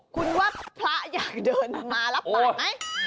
คุณว่าพระอยากเดินมารับบาทไหม